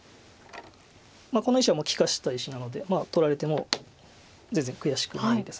この石はもう利かした石なので取られても全然悔しくはないです。